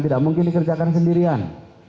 tidak mungkin dikerjakan sendirian